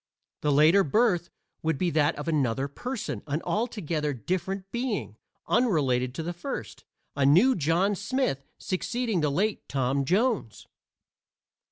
The later birth would be that of another person, an altogether different being, unrelated to the first a new John Smith succeeding to the late Tom Jones.